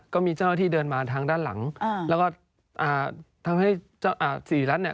ก็มีเจ้ารถที่เดินมาทางด้านหลังอ่าแล้วก็อ่าทำให้อ่าศรีรัตน์เนี้ย